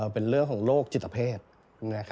เป็นเรื่องของโรคจิตเพศ